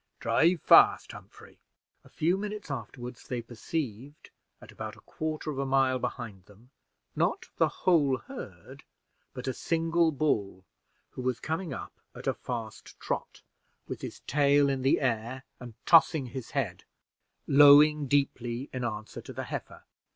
Drive fast, Humphrey." A few minutes afterward they perceived, at about a quarter of a mile behind them, not the whole herd, but a single bull, who was coming up at a fast trot, with his tail in the air, and tossing his head, lowing deeply in answer to the heifer.